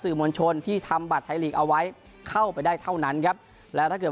มวลชนที่ทำบัตรไทยลีกเอาไว้เข้าไปได้เท่านั้นครับแล้วถ้าเกิด